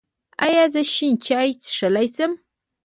ایا زه شین چای څښلی شم؟